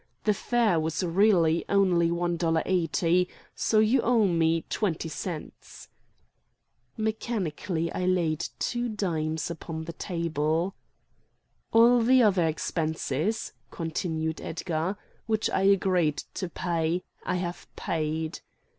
"The fare was really one dollar eighty; so you owe me twenty cents." Mechanically I laid two dimes upon the table. "All the other expenses," continued Edgar, "which I agreed to pay, I have paid."